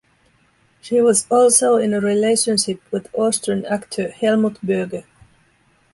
She was also in a relationship with Austrian actor Helmut Berger.